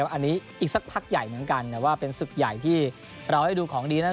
อันนี้อีกสักพักใหญ่เหมือนกันแต่ว่าเป็นศึกใหญ่ที่เราให้ดูของดีนั้น